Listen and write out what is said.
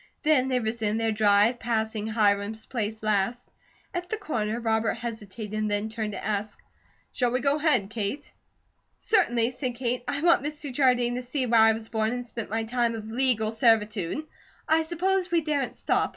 Then they resumed their drive, passing Hiram's place last. At the corner Robert hesitated and turned to ask: "Shall we go ahead, Kate?" "Certainly," said Kate. "I want Mr. Jardine to see where I was born and spent my time of legal servitude. I suppose we daren't stop.